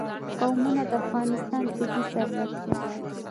قومونه د افغانستان طبعي ثروت دی.